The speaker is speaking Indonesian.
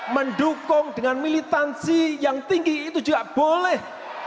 mendukung dengan militansi yang tinggi itu juga boleh